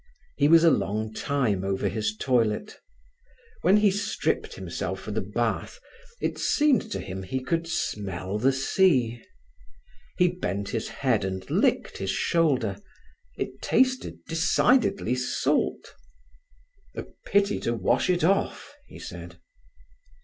He was a long time over his toilet. When he stripped himself for the bath, it seemed to him he could smell the sea. He bent his head and licked his shoulder. It tasted decidedly salt. "A pity to wash it off," he said.